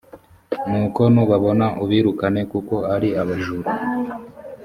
nuko nubabona ubirukane kuko ari abajura